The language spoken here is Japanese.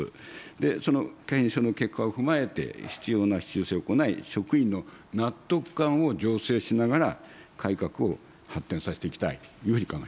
その検証の結果を踏まえて必要な修正を行い、職員の納得感を醸成しながら改革を発展させていきたいというふうに考えています。